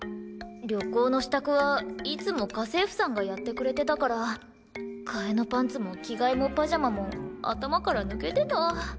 旅行の支度はいつも家政婦さんがやってくれてたから替えのパンツも着替えもパジャマも頭から抜けてた。